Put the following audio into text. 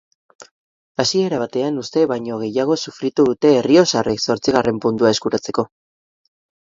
Hasiera batean uste baino gehiago sufritu dute errioxarrek zortzigarren puntua eskuratzeko.